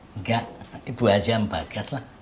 enggak ibu aja yang bagas lah